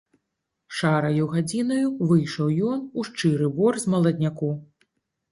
Шараю гадзінаю выйшаў ён у шчыры бор з маладняку.